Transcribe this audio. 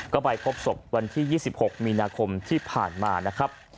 ก็ไปพบศพวันที่๒๖มีนาคมที่ผ่านมานะครับ